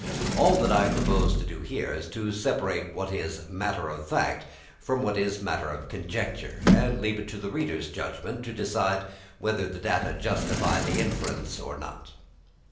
All that I propose to do here is to separate what is matter of fact from what is matter of conjecture, and leave it to the reader's judgment to decide whether the data justify the inference or not.